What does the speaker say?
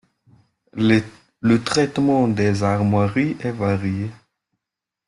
Le traitement des armoiries est varié.